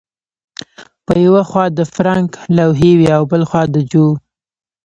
په یوه خوا د فرانک لوحې وې او بل خوا د جو